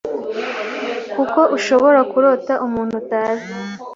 kuko ushobora kurota umuntu utazi